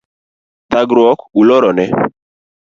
Thagruok oluro ne